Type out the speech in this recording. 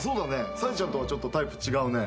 紗絵ちゃんとはちょっとタイプ違うね。